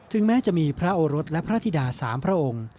แม้จะมีพระโอรสและพระธิดา๓พระองค์